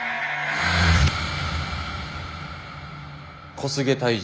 小菅泰治